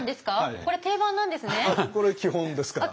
これ基本ですからね。